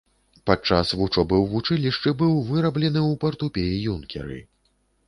Падчас вучобы ў вучылішчы быў выраблены ў партупей-юнкеры.